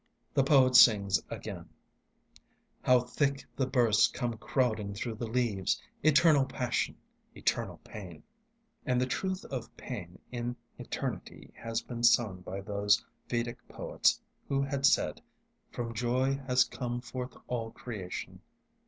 The poet sings again: How thick the bursts come crowding through the leaves! Eternal Passion! Eternal Pain! And the truth of pain in eternity has been sung by those Vedic poets who had said, "From joy has come forth all creation."